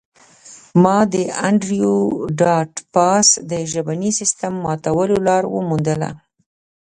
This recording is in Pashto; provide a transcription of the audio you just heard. ما د انډریو ډاټ باس د ژبني سیستم ماتولو لار وموندله